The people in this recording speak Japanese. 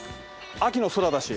秋の空だし。